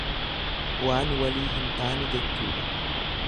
Waan walii hin taane jechuudha.